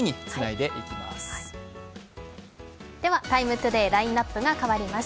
では「ＴＩＭＥ，ＴＯＤＡＹ」ラインナップが変わります。